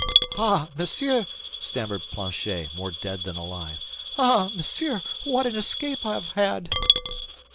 "Ah, monsieur!" stammered Planchet, more dead than alive, "ah, monsieur, what an escape I have had!"